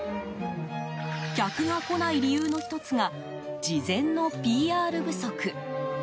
客が来ない理由の１つが事前のＰＲ不足。